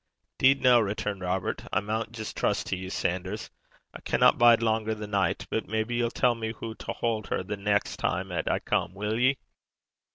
''Deed no,' returned Robert. 'I maun jist lippen (trust) to ye, Sanders. I canna bide langer the nicht; but maybe ye'll tell me hoo to haud her the neist time 'at I come will ye?'